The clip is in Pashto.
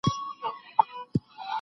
د غړو روغتیایي حالت څنګه معاینه کېږي؟